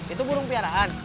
itu burung piaraan